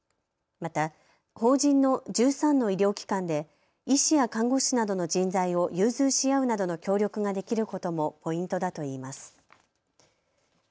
また法人の１３の医療機関で医師や看護師などの人材を融通し合うなどの協力ができることもポイントだといいます。